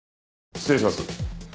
失礼します。